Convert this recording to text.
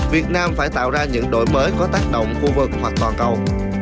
việt nam phải tạo ra những đổi mới có tác động khu vực hoặc toàn cầu